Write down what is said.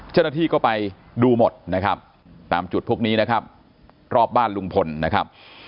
เจ้าหน้าที่ก็ไปดูหมดนะครับตามจุดพวกนี้นะครับรอบบ้านลุงพลนะครับ